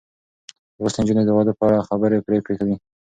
لوستې نجونې د واده په اړه خبرې پرېکړې کوي.